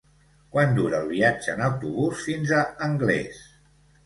Quant dura el viatge en autobús fins a Anglès?